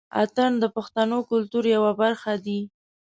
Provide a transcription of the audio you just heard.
اتڼ د پښتنو کلتور يوه برخه دى.